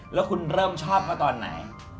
แล้วคุณเริ่มชอบมาตอนไหน